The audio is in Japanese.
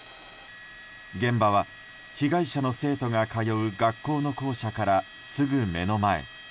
現場は被害者の生徒が通う学校の校舎から、すぐ目の前。